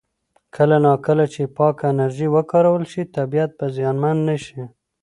کله نا کله چې پاکه انرژي وکارول شي، طبیعت به زیانمن نه شي.